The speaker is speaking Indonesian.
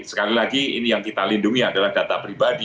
sekali lagi ini yang kita lindungi adalah data pribadi